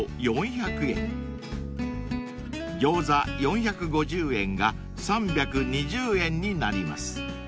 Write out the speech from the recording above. ［餃子４５０円が３２０円になります］